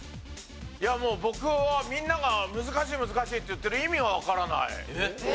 いやもう僕はみんなが難しい難しいって言ってる意味がわからない。